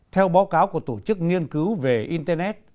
theo báo cáo của tổ chức nghiên cứu về internet